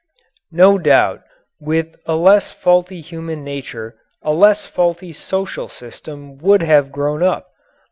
No doubt, with a less faulty human nature a less faulty social system would have grown up.